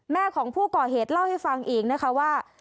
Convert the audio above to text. แม่ของผู้ก่อเหตุเล่าให้ฟังอีกนะคะว่า